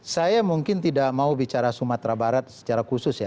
saya mungkin tidak mau bicara sumatera barat secara khusus ya